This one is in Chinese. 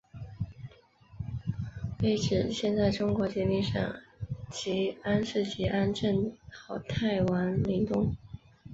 碑址现在中国吉林省集安市集安镇好太王陵东。